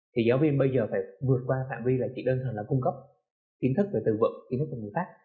thì giáo viên bây giờ phải vượt qua phạm vi là chỉ đơn thoảng là cung cấp tiến thức về từ vật tiến thức về người khác